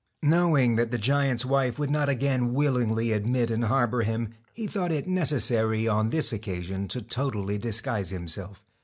Knowing that the giant's wife would not again willingly admit and harbour him, he thought it necessary on this occasion to totally disguise him self.